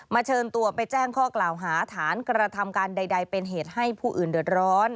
เชิญตัวไปแจ้งข้อกล่าวหาฐานกระทำการใดเป็นเหตุให้ผู้อื่นเดือดร้อน